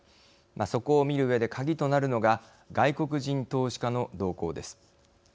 そこを見るうえで鍵となるのが外国人投資家の動向です。